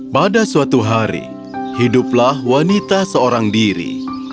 pada suatu hari hiduplah wanita seorang diri